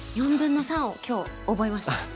「４分の３」を今日覚えました。